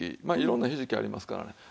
まあいろんなひじきありますからね。